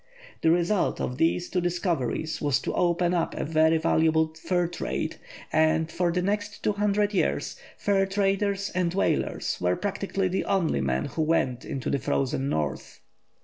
The result of these two discoveries was to open up a very valuable fur trade, and for the next two hundred years, fur traders and whalers were practically the only men who went into the frozen North.